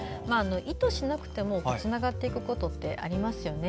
意図しなくてもつながっていくことってありますね。